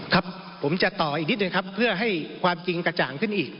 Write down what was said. ครับผมจะต่ออีกนิดนึงครับเพื่อให้ความจริงกระจ่างขึ้นอีก